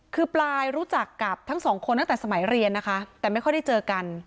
คือปลายรู้จักกับทั้งสองคนตั้งแต่สมัยเรียนนะคะแต่ไม่ค่อยได้เจอกัน